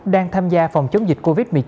đang tham gia phòng chống dịch covid một mươi chín